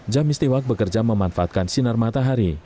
jam istiwak bekerja memanfaatkan sinar matahari